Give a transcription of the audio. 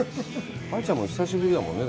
愛ちゃんも久しぶりだもんね。